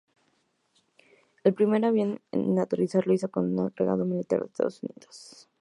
El primer avión en aterrizar lo hizo con un agregado militar de Estados Unidos.